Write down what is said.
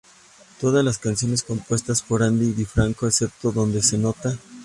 Todas las canciones compuestas por Ani DiFranco, excepto dónde se nota.